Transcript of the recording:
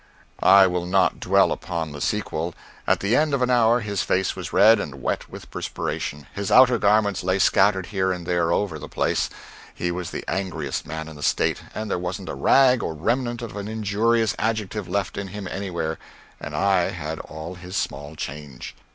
I will not dwell upon the sequel. At the end of an hour his face was red, and wet with perspiration; his outer garments lay scattered here and there over the place; he was the angriest man in the State, and there wasn't a rag or remnant of an injurious adjective left in him anywhere and I had all his small change.